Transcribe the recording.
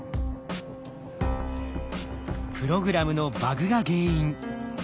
プログラムのバグが原因。